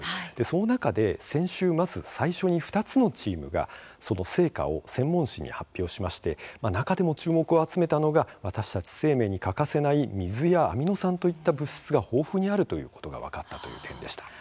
その中で先週まず最初に２つのチームがその成果を専門誌に発表しまして中でも注目を集めたのが私たち生命に欠かせない水やアミノ酸といった物質が豊富にあるということが分かったという点でした。